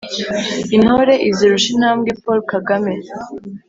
Intore izirusha intambwe poul kagame